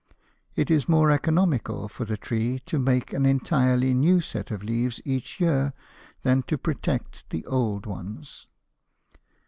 It is more economical for the tree to make an entirely new set of leaves each year than to protect the old ones.